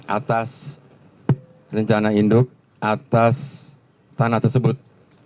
atas rencana induk atas tanah tersebut